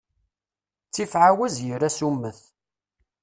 Ttif ɛawaz, yir asummet.